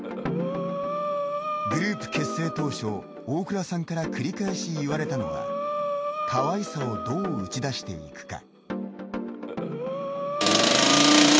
グループ結成当初大倉さんから繰り返し言われたのは「かわいさをどう打ち出していくか」。